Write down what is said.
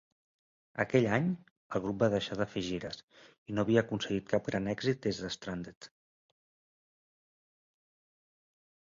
Aquell any, el grup va deixar de fer gires, i no havia aconseguit cap gran èxit des de "Stranded".